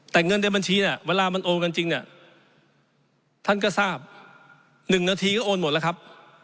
แต่เงินในบัญชีเนี่ยเวลามันโอนกันจริงเนี่ยท่านก็ทราบ๑นาทีก็โอนหมดแล้วครับ